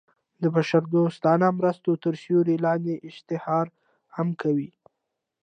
د بشر دوستانه مرستو تر سیورې لاندې اشتهار هم کوي.